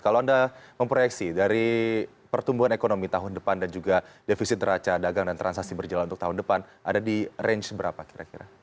kalau anda memproyeksi dari pertumbuhan ekonomi tahun depan dan juga defisit neraca dagang dan transaksi berjalan untuk tahun depan ada di range berapa kira kira